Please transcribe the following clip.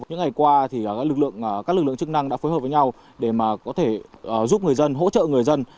những ngày qua các lực lượng chức năng đã phối hợp với nhau để mà có thể giúp người dân hỗ trợ người dân